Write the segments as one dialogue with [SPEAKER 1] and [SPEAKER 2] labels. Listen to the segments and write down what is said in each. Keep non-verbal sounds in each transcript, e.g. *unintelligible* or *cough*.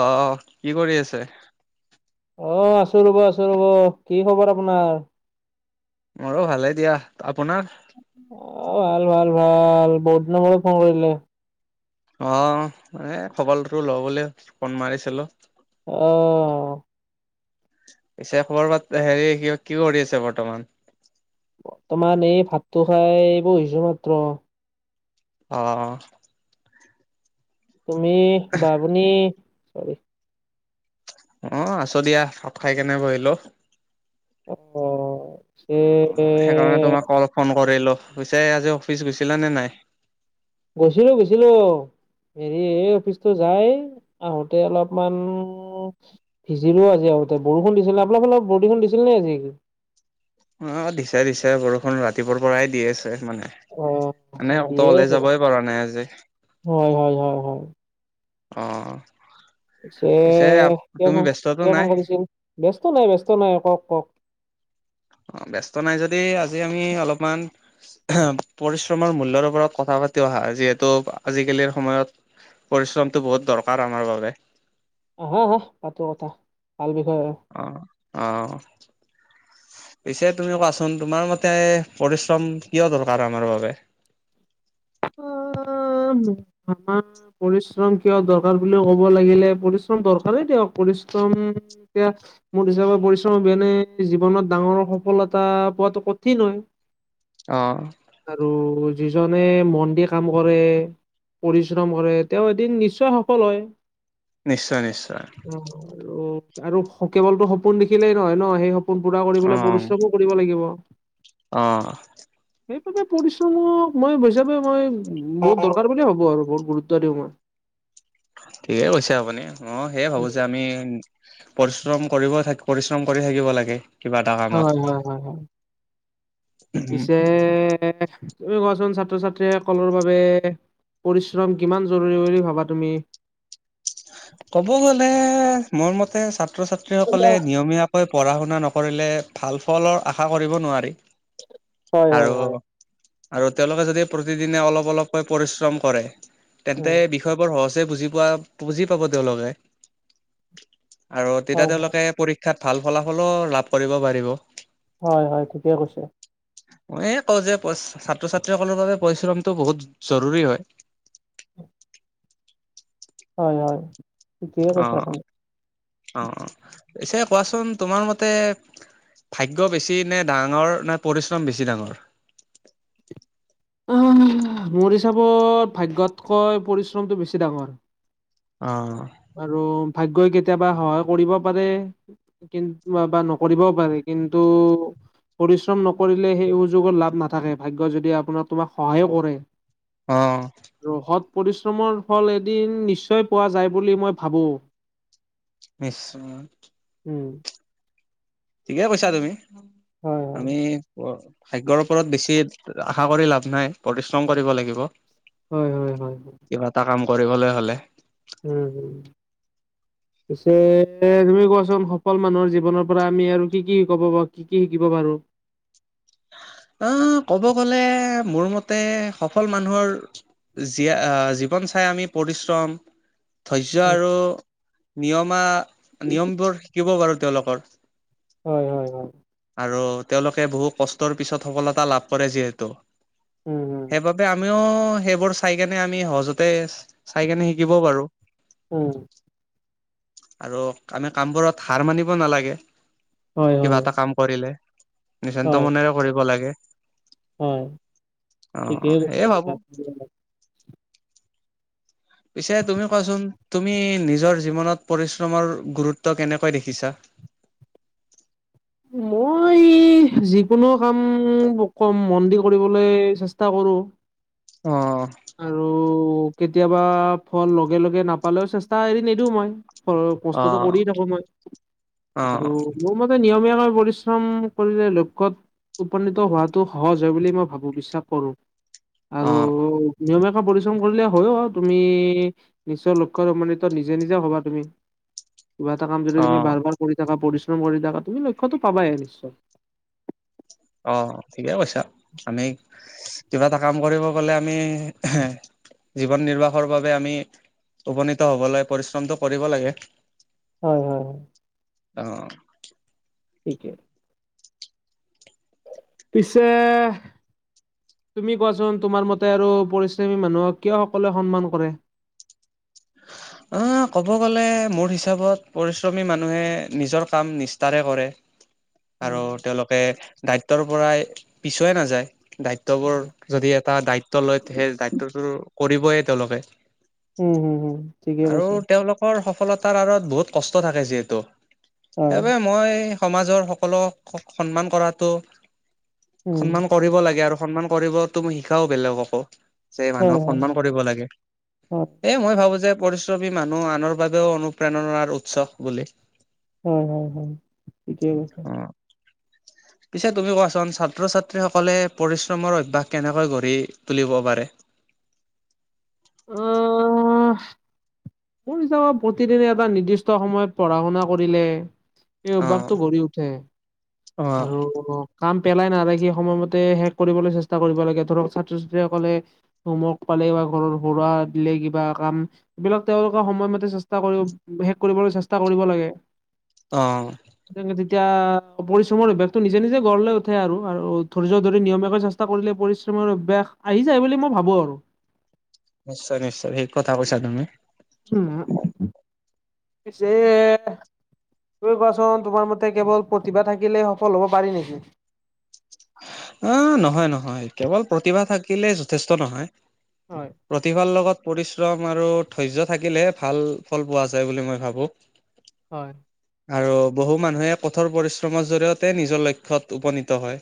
[SPEAKER 1] আহ কি কৰি আছে
[SPEAKER 2] অ আছো ৰব আছো ৰ'ব কি খবৰ আপোনাৰ
[SPEAKER 1] মো ভালে দিয়া আপোনাৰ
[SPEAKER 2] অ ভাল ভাল ভাল বহুত দিন বলে ফোন কৰিলে
[SPEAKER 1] অ এ খবৰটোো ল বুলি ফোন মাৰিছিলো
[SPEAKER 2] অ অ
[SPEAKER 1] পিছে খবৰ পাত হেৰি ক কি কৰি আছে বৰ্তমান
[SPEAKER 2] বৰ্তমান এই ভাতটো খাই বহিছো মাত্ৰ
[SPEAKER 1] অ
[SPEAKER 2] তুমি বাবনী চৰি
[SPEAKER 1] অ আছ দিয়া ভাপ খাই কেনে বহিলো
[SPEAKER 2] অ চ
[SPEAKER 1] সেইকাৰণে তোমাক কল ফোন কৰিলো গুছে আজি অফিচ গুছিলা নে নাই
[SPEAKER 2] গৈছিলো গৈছিলো হেৰি এই অফিচতটো যায় আহোতে অলপমান ভিজিলো আিগতে বৰষু দিছিলে অলপ অলপ বৰদু দিছিল নে আজি
[SPEAKER 1] অ দিছে দিছে বৰষুণ ৰাতিপুৱাৰ পৰাই দি আছে মানে
[SPEAKER 2] অ',
[SPEAKER 1] মানে
[SPEAKER 2] দিয়ে
[SPEAKER 1] অত হলে
[SPEAKER 2] আছে
[SPEAKER 1] যাবই পৰা নাই আজি
[SPEAKER 2] হয় হয় হয় হয়
[SPEAKER 1] অ পিছে
[SPEAKER 2] কিয়
[SPEAKER 1] তুমি
[SPEAKER 2] ফ
[SPEAKER 1] ব্যস্তটো
[SPEAKER 2] কিয় ফোন
[SPEAKER 1] নাই?
[SPEAKER 2] কৰিছিল ব্যস্ত নাই বস্ত নাই কওক কওক
[SPEAKER 1] অ ব্যস্ত নাই যদি আজি আমি অলপমান পৰিশ্ৰমৰ মূল্য়ৰ ওপৰত কথা পাতি অহা যিহেতু আজিকালিৰ সময়ত পৰিশ্ৰমটো বহুত দৰকাৰ আমাৰ বাবে
[SPEAKER 2] অ হা হা পাতো কথা ভাল বিষয় আৰু
[SPEAKER 1] অ অ পিছে তুমি কোৱাচোন তোমাৰ মতে পৰিশ্ৰম কিয় দৰকাৰ আমাৰ বাবে *inaudible*
[SPEAKER 2] উম আম পৰিশ্ৰম কিয় দৰকাৰ বুলি ক'ব লাগিলে পৰিশ্ৰম দৰকাৰেই দিয়ক পৰিশ্ৰম য়া মোৰ হিচাপে পৰিশ্ৰম হবিনে জীৱনত ডাঙৰ সফলতা পোৱটো কঠিন হয়
[SPEAKER 1] অ
[SPEAKER 2] আৰু যিজনে মন বানি কাম কৰে পৰিশ্ৰম কৰে তেওঁ এদিন নিশ্চয় সফল হয়
[SPEAKER 1] নিশ্চয় নিশ্চয়
[SPEAKER 2] অ' আৰু আৰু কেৱলতো সপোন দেখিলেই নহয় ন সেই সপোন পুৰা কৰিবলৈ পৰিশ্ৰমক কৰিব লাগিব
[SPEAKER 1] অঁ
[SPEAKER 2] সেইবাবে পৰিশ্ৰম মই হিচাপে মই বহুত দৰকাৰ বুলিয়ে ভাবব আৰু বহুত গুৰুত্ব দিওঁ মই
[SPEAKER 1] ঠিকে কৈছে আপুনি অ সেয়ে ভাবো যে আমি পৰিশ্ৰম কৰিব পৰিশ্ৰম কৰি থাকিব লাগে কিবা এটা কামত
[SPEAKER 2] হয় হয় হয় হয় পিছে তুমি কোৱাচোন ছাত্ৰ ছাত্ৰীসকলৰ বাবে পৰিশ্ৰম কিমান জৰুৰী বুলি ভাবা তুমি
[SPEAKER 1] ক'ব গ'লে মোৰ মতে ছাত্ৰ ছাত্ৰী সকলে নিয়মীয়া পঢ়া শুনা নকৰিলে ভাল ফলৰ আশা কৰিব নোৱাৰি
[SPEAKER 2] হয়
[SPEAKER 1] আৰু
[SPEAKER 2] হয় হয়
[SPEAKER 1] আৰু তেওঁলোকে যদি প্ৰতিদিনে অলপ অলপকৈ পৰিশ্ৰম কৰে তেন্তে
[SPEAKER 2] উম
[SPEAKER 1] বিষয় বোৰ সহজে বুজি পোৱা বুজি পাব তেওঁলোকে আৰু তেতিয়া
[SPEAKER 2] হয়
[SPEAKER 1] তেওঁলোকে পৰীক্ষাত ভাল ফলাফলো লাভ কৰিব পাৰিব
[SPEAKER 2] হয় হয় তিে কৈছে
[SPEAKER 1] মই কওঁ যে ছাত্ৰ ছাত্ৰীসকলৰ বাবে পৰিশ্ৰমটো বহুত জৰুৰী হয়
[SPEAKER 2] হয় হয় ঠিকে
[SPEAKER 1] অ
[SPEAKER 2] কৈছে আপুনি।
[SPEAKER 1] অ পিছে কোৱাচোন তোমাৰ মতে ভাগ্য বেছি নে ডাঙৰ নে পৰিশ্ৰম বেছি ডাঙৰ
[SPEAKER 2] মৰি হিচাপত ভাগ্য়তকৈ পৰিশ্ৰমটো বেছি ডাঙৰ
[SPEAKER 1] অ
[SPEAKER 2] আৰু ভাগ্যই কেতিয়াবা সহায় কৰিব পাৰে কিন্ত বা নকৰিবও পাৰে কিন্তু পৰিশ্ৰম নকৰিলে সেই সুযোগত লাভ নাথাকে ভাগ্য যদি আপোনাৰ তোমাক সহায়ো কৰে
[SPEAKER 1] অ
[SPEAKER 2] ৰ সৎ পৰিশ্ৰমৰ ফল এদিন নিশ্চয় পোৱা যায় বুলি মই ভাবো।
[SPEAKER 1] নিশ্চয়।
[SPEAKER 2] উম।
[SPEAKER 1] ঠিকে কৈছা তুমি।
[SPEAKER 2] হয়
[SPEAKER 1] আমি ভাগ্যৰ ওপৰত বেছি আশা কৰি লাভ, নাই পৰিশ্ৰম কৰিব লাগিব।
[SPEAKER 2] হয় হয় হয় হয়।
[SPEAKER 1] কিবা এটা কাম কৰিবলেই হ'লে
[SPEAKER 2] উম, হুম। পিছে তুমি কোৱাচোন সফল মানুহৰ জীৱনৰ পৰা আমি আৰু কি কি ক'ব পাৰ কি কি শিকিব পাৰোঁ?
[SPEAKER 1] আহ, ক'ব গ'লে মোৰ মতে সফল মানুহৰ জী-জীৱন চাই আমি পৰিশ্ৰম ধৈৰ্য্য আৰু নিয়মা নিয়মবোৰ শিকিব পাৰো তেওঁলোকৰ
[SPEAKER 2] হয় হয় হয়।
[SPEAKER 1] আৰু তেওঁলোকে বহু কষ্টৰ পিছত সফলতা লাভ কৰে যিহেতু।
[SPEAKER 2] উম উম
[SPEAKER 1] সেইবাবে আমি ক সেইবোৰ চাই কেনে আমি সহজতে চাই কেনে শিকিব পাৰো।
[SPEAKER 2] উম।
[SPEAKER 1] আৰু আমি কামবোৰত হাৰ মানিব নালাগে।
[SPEAKER 2] হয়
[SPEAKER 1] কিবা
[SPEAKER 2] হয়
[SPEAKER 1] এটা কাম কৰিলে নিচান্ত
[SPEAKER 2] হয়
[SPEAKER 1] মনেৰে কৰিব লাগে।
[SPEAKER 2] হয় ঠিকেই
[SPEAKER 1] অ' সেয়ে ভাবো।
[SPEAKER 2] কৈছা
[SPEAKER 1] পিছে তুমি কচোন তুমি নিজৰ জীৱনত পৰিশ্ৰমৰ গুৰুত্ব কেনেকৈ দেখিছা?
[SPEAKER 2] মই যিকোনো কাম কম মন্দিৰ কৰিবলৈ চেষ্টা কৰো।
[SPEAKER 1] অ'।
[SPEAKER 2] আৰু কেতিয়াবা ফল লগে লগে নাপালেও চেষ্টা এৰি নিদিওঁ মই। ফল কষ্টোটো
[SPEAKER 1] অ',
[SPEAKER 2] কৰিয় থাকো মই আৰু
[SPEAKER 1] অ',
[SPEAKER 2] মোৰ ম নিয়মীয়াকৈ পৰিশ্ৰম কৰিলে লক্ষ্যত উপনীত হোৱাতো সহজ হয় বুলি মই ভাবো, বিশ্বাস কৰো আৰু নীয়মাকৈ পৰিশ্ৰম কৰিলে হয় অ' তুমি নিশ্চয় লক্ষ্যত মানিত নিজে নিজে হবা তুমি। কিবা এটা কাম যদি তুমি
[SPEAKER 1] অ',
[SPEAKER 2] বাৰ বাৰ কৰি থাকা, পৰিশ্ৰম কৰি থাকা, তুমি লক্ষ্যতো পাবাই নিশ্চয়।
[SPEAKER 1] অ' ঠিকে কৈছা আমি কিবা এটা কাম কৰিব গলে আমি জীৱন নিৰ্বাহৰ বাবে আমি উপনীত হবলৈ পৰিশ্ৰমটো কৰিব লাগে।
[SPEAKER 2] হয় হয়। হয়
[SPEAKER 1] অ'।
[SPEAKER 2] ঠিকে। পিছে তুমি কোৱাচোন তোমাৰ মতে আৰু পৰিশ্ৰমী মানুহক কিয় সকলোৱে সন্মান কৰে?
[SPEAKER 1] *inaudible* উ, ক'ব গ'লে মোৰ হিচাপত পৰিশ্ৰমী মানুহে নিজৰ কাম নিষ্ঠাৰে কৰে। *inaudible* আৰু
[SPEAKER 2] উম,
[SPEAKER 1] তেওঁলোকে দায়িত্বৰ পৰাই পিছুৱাই নাযায়, দায়িত্ববোৰ যদি এটা দায়িত্ব লয় সেই দায়িত্বটো কৰিবই তেওঁলোকে।
[SPEAKER 2] উম, হুম। ঠিকে
[SPEAKER 1] আৰু
[SPEAKER 2] কৈছে
[SPEAKER 1] তেওঁলোকৰ সফলতাৰ আঁৰত বহুত কষ্ট থাকে যিহেতু।
[SPEAKER 2] হয়,
[SPEAKER 1] সেইবাবে মই সমাজৰ সকলক সন্মান কৰাটো
[SPEAKER 2] উম,
[SPEAKER 1] সন্মান কৰিব লাগে আৰু সন্মান কৰিবটোও মই শিকাও বেলেগকো। যে
[SPEAKER 2] হয়,
[SPEAKER 1] মানুহক
[SPEAKER 2] হয়,
[SPEAKER 1] সন্মান কৰিব লাগে।
[SPEAKER 2] হয়,
[SPEAKER 1] এ, মই ভাবো যে যে পৰিশ্ৰমী মানুহ আনৰ বাবেও অনুপ্ৰেৰণাৰ উৎস বুলি।
[SPEAKER 2] হয় হয় হয় ঠিকে কৈছে
[SPEAKER 1] উ পিছে তুমি কোৱাচোন ছাত্ৰ ছাত্ৰীসকলে পৰিশ্ৰমৰ অভ্যাস কেনেকৈ গঢ়ি তুলিব পাৰে
[SPEAKER 2] অ মোৰচাপে প্ৰতিদিনে এটা নিৰ্দিষ্ট সময়ত পঢ়া শুনা কৰিলে এই
[SPEAKER 1] অ
[SPEAKER 2] অভ্যাসতটো গঢ় উঠে
[SPEAKER 1] অ
[SPEAKER 2] আৰু কাম পেলাই নাৰাখি সময়মতে শেষ কৰিবলৈ চেষ্টা কৰিব লাগে ধৰক ছাত্ৰ ছাত্ৰীসকলে হোমৱৰ্ক পালে বা ঘৰত সৰুৱা দিলে কিবা কাম এই বিলাক তেওঁলোকে সময়মতে চেষ্টা কৰিব শেষ কৰিবলৈ চেষ্টা কৰিব লাগে
[SPEAKER 1] অঁ
[SPEAKER 2] তেনতে তেতিয়া পৰিশ্ৰমৰ অভ্যাসতটো নিজে নিজে গঢ় লৈ উঠে আৰু ধৰিৰ ধৰি নিয়ম এ কৰিলে পৰিশ্ৰমৰ অভ্্যাস আহি যায় বুলি মই ভাবো আৰু
[SPEAKER 1] নিশ্চয় নিশ্চয় সেই কথা কৈছা তুমি
[SPEAKER 2] উম পছেে ত কোৱাচোন তোমাৰ মতে কেৱল প্ৰতিভা থাকিলে সফল হব পাৰি নেকি
[SPEAKER 1] অ নহয় নহয় কেৱল প্ৰতিভা থাকিলে যথেষ্ট নহয়
[SPEAKER 2] হয়
[SPEAKER 1] প্ৰতিভাৰ লগত পৰিশ্ৰম আৰু ধৈৰ্য থাকিলেহে ভাল ফল পোৱা যায় বুলি মই ভাবোঁ *unintelligible*
[SPEAKER 2] হয়
[SPEAKER 1] আৰু বহু মানুহে কঠোৰ পৰিশ্ৰমৰ জৰিয়তে নিজৰ লক্ষ্য়ত উপনীত হয়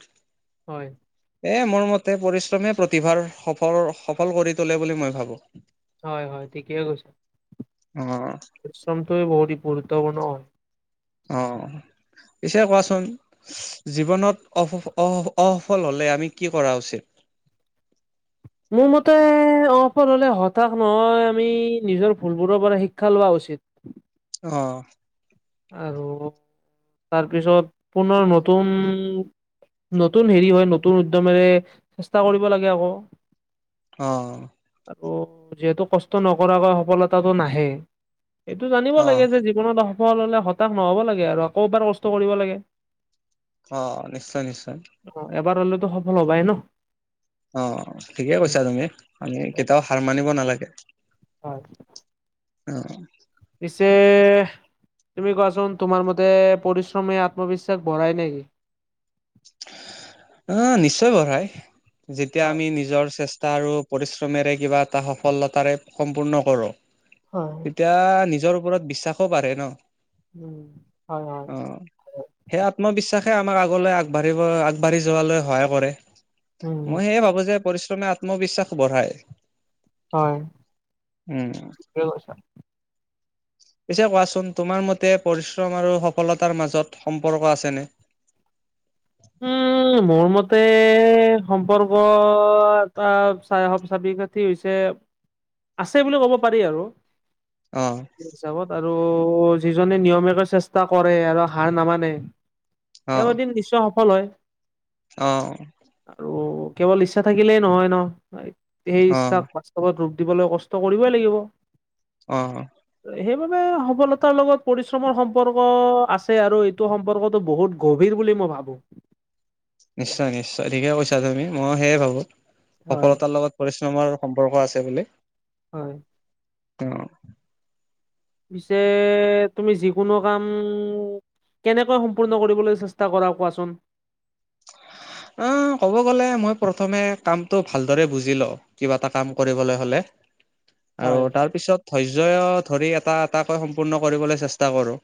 [SPEAKER 2] হয়
[SPEAKER 1] এ মোৰ মতে পৰিশ্ৰমে প্ৰতিভাৰ সফল সফল কৰি তোলে বুলি মই ভাবো
[SPEAKER 2] হয় হয় ঠিকে কৈছে
[SPEAKER 1] অ',
[SPEAKER 2] পৰিশ্ৰমটোে বহুত গুৰুত্বপূৰ্ণ হয়
[SPEAKER 1] অ পিছে কোৱাচোন জীৱনত অ অসফল হলে আমি কি কৰা উচিত
[SPEAKER 2] মোৰ মতে অফল হ'লে হতাশ নহয় আমি নিজৰ ভুলবোৰৰ পৰা শিক্ষা লোৱা উচিত
[SPEAKER 1] অ
[SPEAKER 2] আৰু তাৰপিছত পুনৰনৰ নতুন নতুন হেৰি হয় নতুন উদ্যমেৰে চেষ্টা কৰিব লাগে আকৌ
[SPEAKER 1] অ
[SPEAKER 2] আৰু যিহেতু কষ্ট নকৰাকৈ সফলতাটো নাহে এইটো জানিব
[SPEAKER 1] অ',
[SPEAKER 2] লাগে যে জীৱনত সফল হলে হতাশ নহ'ব লাগে আৰু আকৌ এবাৰ কষ্ট কৰিব লাগে
[SPEAKER 1] অ নিশ্চয় নিশ্চয়
[SPEAKER 2] অ এবাৰ হলেতো সফল হবাই ন
[SPEAKER 1] অ ঠিকে কৈছা তুমি আমি কেতিয়াও হাৰ মানিব নালাগে
[SPEAKER 2] হয়
[SPEAKER 1] অহ
[SPEAKER 2] পিছে তুমি কোৱাচোন তোমাৰ মতে পৰিশ্ৰমে আত্মবিশ্বাস ভঢ়ই নেকি
[SPEAKER 1] অ নিশ্চয় বঢ়াই যেতিয়া আমি নিজৰ চেষ্টা আৰু পৰিশ্ৰমেৰে কিবা এটা সফলতাৰে সম্পূৰ্ণ কৰোঁ
[SPEAKER 2] হয়
[SPEAKER 1] তেতিয়া নিজৰ ওপৰত বিশ্বাসো পঢাৰে ন
[SPEAKER 2] উম হয় হয়
[SPEAKER 1] অ সেই আত্মবিশ্বাসে আমাক আগলৈ আগবাঢ়িব আগবাঢ়ি যোৱালৈ সহায় কৰে
[SPEAKER 2] উম
[SPEAKER 1] মই সেয়ে ভাবো যে পৰিশ্ৰমে আত্মবিশ্বাস বঢ়ায়
[SPEAKER 2] হয়
[SPEAKER 1] উম
[SPEAKER 2] কছ
[SPEAKER 1] পিছে কোৱাচোন তোমাৰ মতে পৰিশ্ৰম আৰু সফলতাৰ মাজত সম্পৰ্ক আছেনে
[SPEAKER 2] অ মোৰ মতে সম্পৰ্ক এটা চাই স চাবি কাঠি হৈছে আছে বুলি ক'ব পাৰি আৰু
[SPEAKER 1] অ
[SPEAKER 2] হিচাপত আৰু যিজনে নিয়মীয়ে চেষ্টা কৰে আৰু হাৰ নামানে
[SPEAKER 1] অ
[SPEAKER 2] তেওঁ এদিন নিশ্চয় সফল হয়
[SPEAKER 1] অ
[SPEAKER 2] আৰু কেৱল ইচ্ছা থাকিলেই নহয় ন সেই
[SPEAKER 1] অ
[SPEAKER 2] ইচ্ছাক লগত ৰূপ দিবলৈ কষ্ট কৰিবই লাগিব
[SPEAKER 1] অ
[SPEAKER 2] সেইবাবে সফলতাৰ লগত পৰিশ্ৰমৰ সম্পৰ্ক আছে আৰু সম্পৰ্কতটো বহুত গভীৰ বুলি মই ভাবো
[SPEAKER 1] নিশ্চয় নিশ্চয় ঠিকে কৈছা তুমি মই সেয়ে ভাবো
[SPEAKER 2] হয়
[SPEAKER 1] সফলতাৰ লগত পৰিশ্ৰমৰ সম্পৰ্ক আছে বুলি
[SPEAKER 2] হয়
[SPEAKER 1] অ
[SPEAKER 2] পিছে তুমি যিকোনো কাম কেনেকৈ সম্পূৰ্ণ কৰিবলৈ চেষ্টা কৰা কোৱাচোন
[SPEAKER 1] অ ক'ব গ'লে মই প্ৰথমে কামটো ভালদৰে বুজি লওঁ কিবা এটা কাম কৰিবলৈ হলে আৰু
[SPEAKER 2] হয়
[SPEAKER 1] তাৰ পিছত ধৰ্য্য ধৰি এটা এটাকৈ সম্পূৰ্ণ কৰিবলৈ চেষ্টা কৰো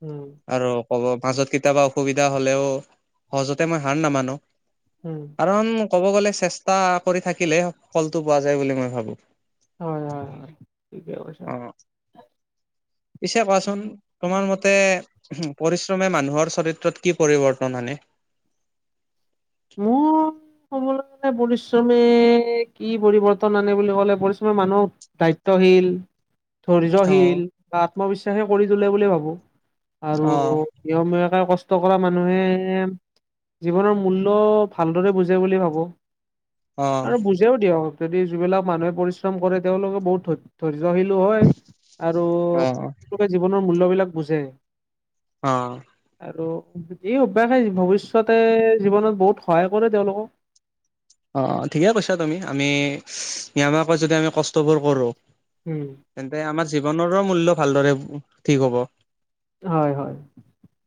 [SPEAKER 2] উম
[SPEAKER 1] আৰু কব মাজত কেতিয়াবা অসুবিধা হলেও সহজতে মই হাৰ নামানো
[SPEAKER 2] উম
[SPEAKER 1] কাৰণ ক'ব গলে চেষ্টা কৰি থাকিলে ফলটো পোৱা যায় বুলি মই ভাবো
[SPEAKER 2] হয় হয় হয় ঠিকে কৈছা
[SPEAKER 1] অ', পিছে কোৱাচোন তোমাৰ মতে পৰিশ্ৰমে মানুহৰ চৰিত্ৰত কি পৰিৱৰ্তন আনে
[SPEAKER 2] মোৰ ক'বলৈ মানে পৰিশ্ৰমে কি পৰিৱৰ্তন আনে বুলি ক'লে পৰিশ্ৰমে মানুহক দায়িত্বশীল ধৈৰ্যশীল
[SPEAKER 1] অ',
[SPEAKER 2] বা আত্মবিশ্বাসী কৰি তোলে বুলি ভাবোঁ আৰু
[SPEAKER 1] অ',
[SPEAKER 2] নিয়মীয়াকে কষ্ট কৰা মানুহে জীৱনৰ মূল্য ত ভালদৰে বুজে বুলি ভাবোঁ
[SPEAKER 1] অ',
[SPEAKER 2] নিজও দিয়ক যদি যিবিলাক মানুহে পৰিশ্ৰম কৰে তেওঁলোকে বহুত ধ্য ধৈৰ্য্যশীলো হয় আৰু
[SPEAKER 1] অ',
[SPEAKER 2] তেওঁলোকে জীৱনৰ মূল্য বিলাক বুজে
[SPEAKER 1] অ'
[SPEAKER 2] আৰু এই অভ্যাসে ভৱিষ্যতে জীৱনত বহুত সহায় কৰে তেওঁলোকক
[SPEAKER 1] অ, ঠিকেই কৈছা তুমি আমি নিয়মাকৈ যদি আমি কষ্টবোৰ কৰোঁ
[SPEAKER 2] ওম
[SPEAKER 1] তেন্তে আমাৰ জীৱনৰো মূল্য ভালদৰে ঠিক হ'ব।
[SPEAKER 2] হয় হয়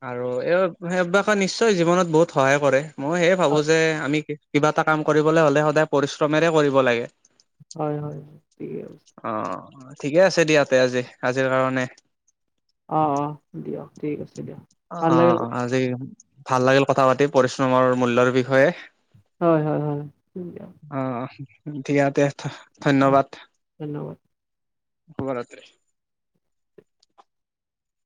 [SPEAKER 1] আৰু এই সেইবাকে নিশ্চয় জীৱনত বহুত সহায় কৰে মই সে ভাবো যে আমি কিবা এটা কাম কৰিবলৈ হ'লে সদায় পৰিশ্ৰমেৰে কৰিব লাগে।
[SPEAKER 2] হয় হয় হয় ঠিকে আছে
[SPEAKER 1] অ', ঠিকে আছে দিয়া তে আজি আজিৰ কাৰণে
[SPEAKER 2] আহ অ', দিয়া ঠিক আছে দিয়া
[SPEAKER 1] অ', আজি ভাল লাগিল কথা পাতি পৰিশ্ৰমৰ মূল্যৰ বিষয়ে
[SPEAKER 2] হয় হয় হয় ঠিক
[SPEAKER 1] অ', ঠিকতে
[SPEAKER 2] অ'
[SPEAKER 1] ধন্যবাদ
[SPEAKER 2] ধন্যবাদ
[SPEAKER 1] শুভৰাত্ৰি।